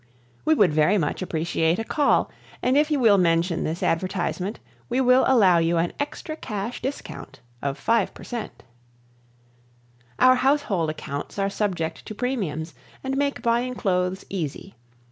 We would very much appreciate a call and if you will mention this advertisement we will allow you an extra cash discount of 5%. Our household accounts are subject to premiums, and make buying clothes easy.